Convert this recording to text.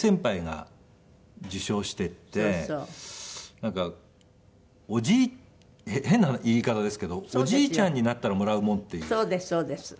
なんかおじい変な言い方ですけどおじいちゃんになったらもらうものっていう。